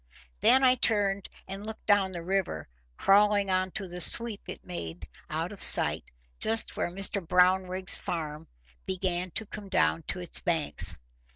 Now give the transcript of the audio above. Then I turned and looked down the river crawling on to the sweep it made out of sight just where Mr Brownrigg's farm began to come down to its banks.